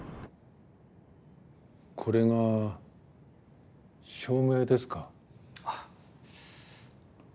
これが照明ですか？